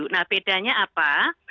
nah bedanya apa